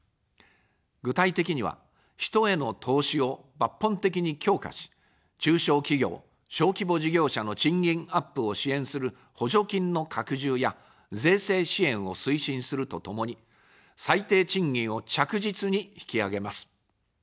具体的には、人への投資を抜本的に強化し、中小企業・小規模事業者の賃金アップを支援する補助金の拡充や税制支援を推進するとともに、最低賃金を着実に引き上げます。